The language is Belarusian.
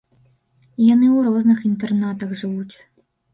Яны ў розных інтэрнатах жывуць.